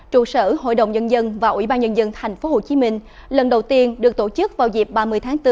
trụ sở hội đồng nhân dân và ủy ban nhân dân tp hcm lần đầu tiên được tổ chức vào dịp ba mươi tháng bốn